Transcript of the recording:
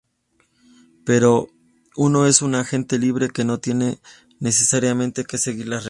Pero uno es un agente libre, que no tiene necesariamente que seguir las reglas.